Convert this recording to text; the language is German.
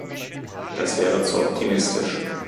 Das wäre zu optimistisch.